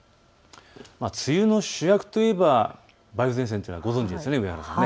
梅雨の主役といえば梅雨前線というのはご存じですね、上原さん。